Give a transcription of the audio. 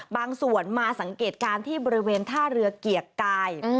บางส่วนมาสังเกตการณ์ที่บริเวณท่าเรือเกียรติกาย